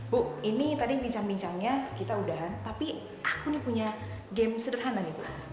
bu ini tadi bincang bincangnya kita udahan tapi aku nih punya game sederhana nih bu